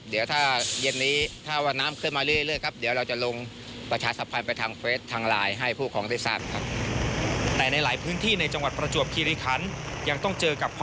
เดี๋ยวถ้าเย็นนี้ถ้าวันน้ำขึ้นมาเรื่อยครับ